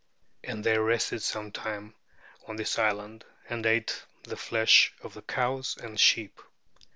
And they rested some time on this island and ate the flesh of the cows and sheep.